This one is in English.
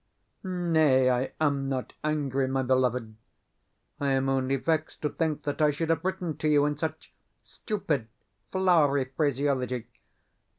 Nay, I am not angry, my beloved; I am only vexed to think that I should have written to you in such stupid, flowery phraseology.